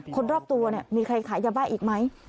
คนรอบตัวเนี่ยมีใครขายยาบ้าอีกไหม